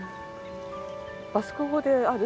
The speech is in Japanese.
バスク語である？